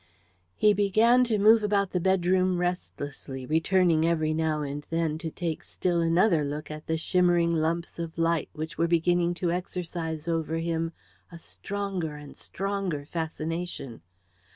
He began to move about the bedroom restlessly, returning every now and then to take still another look at the shimmering lumps of light which were beginning to exercise over him a stronger and stronger fascination.